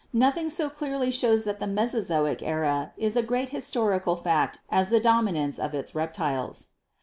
Nothing so clearly shows that the Mesozoic era is a great historical fact as the dominance of its reptiles.